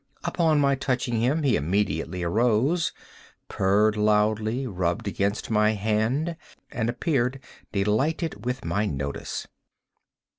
Upon my touching him, he immediately arose, purred loudly, rubbed against my hand, and appeared delighted with my notice.